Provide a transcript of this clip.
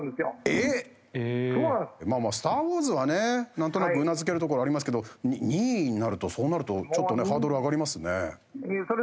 なんとなくうなずけるところありますけど２位になるとそうなるとちょっとハードル上がりますね。